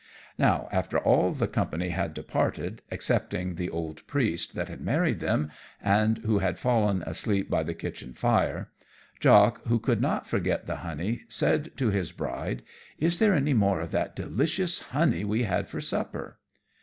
Now, after all the company had departed, excepting the old priest that had married them, and who had fallen asleep by the kitchen fire, Jock, who could not forget the honey, said to his bride, "Is there any more of that delicious honey we had for supper?"